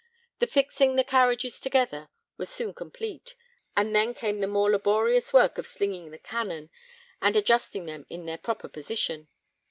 The fixing the carriages together was soon complete, and then came the more laborious work of slinging the cannon, and adjusting them in their proper position.